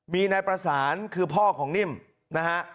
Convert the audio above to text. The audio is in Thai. มีนายประสานคือพ่อของนิ่มนะฮะ